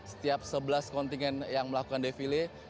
setiap sebelas kontingen yang melakukan defile